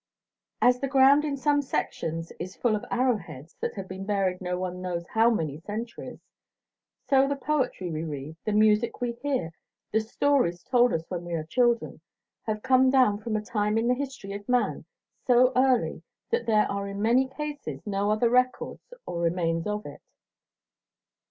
As the ground in some sections is full of arrow heads that have been buried no one knows how many centuries, so the poetry we read, the music we hear, the stories told us when we are children, have come down from a time in the history of man so early that there are in many cases no other records or remains of it.